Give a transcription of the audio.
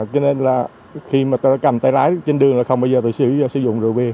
cho nên là khi mà tôi đã cầm tay lái trên đường là không bao giờ tôi sử dụng rượu bia